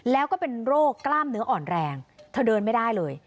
แล้วก็เป็นโรคกล้ามเนื้ออ่อนแรงเธอเดินไม่ได้เลย